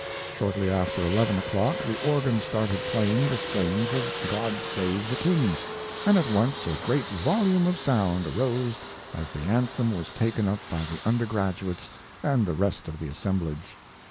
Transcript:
Shortly after 11 o'clock the organ started playing the strains of "God Save the King," and at once a great volume of sound arose as the anthem was taken up by the undergraduates and the rest of the assemblage.